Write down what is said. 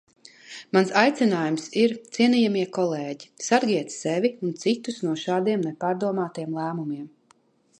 Mans aicinājums ir: cienījamie kolēģi, sargiet sevi un citus no šādiem nepārdomātiem lēmumiem!